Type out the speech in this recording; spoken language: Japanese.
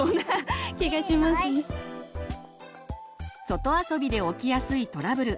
外遊びで起きやすいトラブル。